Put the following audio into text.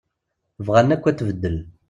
Bɣan akk ad tbeddel.